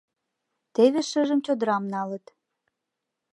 Теве шыжым чодырам налыт.